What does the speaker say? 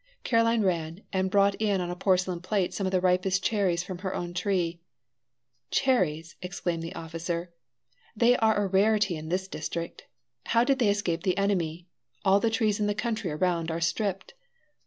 Caroline ran and brought in on a porcelain plate some of the ripest cherries from her own tree. "Cherries!" exclaimed the officer. "They are a rarity in this district. How did they escape the enemy? All the trees in the country around are stripped."